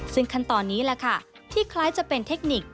ซึ่งขั้นตอนนี้แหละค่ะที่คล้ายจะเป็นเทคนิค